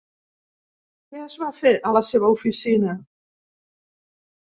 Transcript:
Què es va fer a la seva oficina?